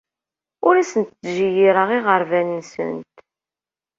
Ur asent-ttjeyyireɣ iɣerban-nsent.